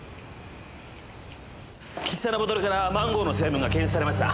岸田のボトルからマンゴーの成分が検出されました。